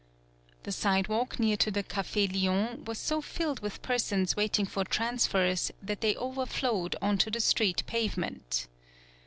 The sidewalk near to the Cafe Lion was so filled with persons waiting for transfers that they overflowed on to the street pavement.